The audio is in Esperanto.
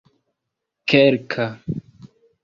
kelka